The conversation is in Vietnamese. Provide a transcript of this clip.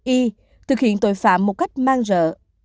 i thực hiện tội phạm một cách mang rợ